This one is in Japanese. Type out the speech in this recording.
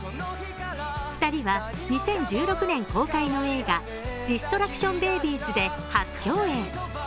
２人は２０１６年公開の映画「ディストラクション・ベイビーズ」で初共演。